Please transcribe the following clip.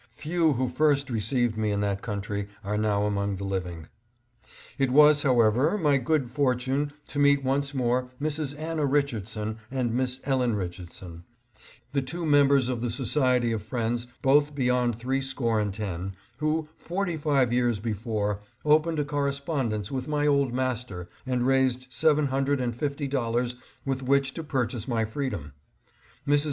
Few who first received me in that country are now among the living. It was, however, my good fortune to meet once more Mrs. Anna Richardson and Miss Ellen Richardson, the two members of the Society of Friends, both beyond three score and ten, who, forty five years before, opened a correspondence with my old master MEETING WITH OLD FRIENDS. 679 and raised seven hundred and fifty dollars with which to purchase my freedom. Mrs.